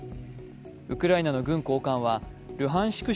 ウクライナの軍高官はルハンシク